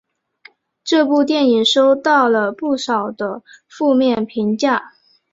这部电影收到了不少的负面评价。